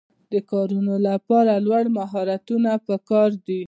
د کارونو لپاره لوړ مهارتونه پکار دي.